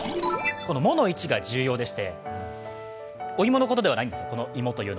「も」の位置が重要でしてお芋のことではないんです。